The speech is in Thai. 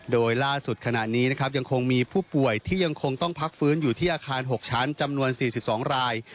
โดยล่าสุดขณะนี้นะครับยังคงมีผู้ป่วยที่ยังคงต้องพักฟื้นอยู่ที่อาคาร๖ชั้นจำนวน๔๒ราย